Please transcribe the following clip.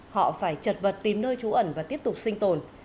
họ phải chật vật tìm nơi trú ẩn và tiếp tục sinh tồn